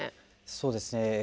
そうですね。